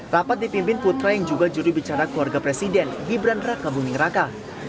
rapat dipimpin putra yang juga juri bicara keluarga presiden gibran raka buming raka